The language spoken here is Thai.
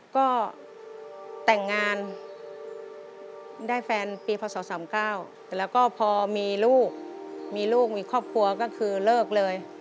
ก็แต่งงานได้แฟนปีพศ๓๙แล้วก็พอมีลูกมีลูกมีครอบครัวก็คือเลิกเลย